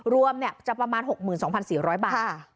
รวมเนี่ยจะประมาณ๖๒๔๐๐บาท